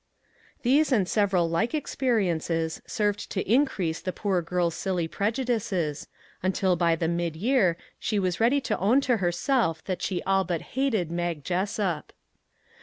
These and several like experiences served to increase the poor girl's silly prejudices, until by the midyear she was ready to own to herself that she all but hated Mag Jessup.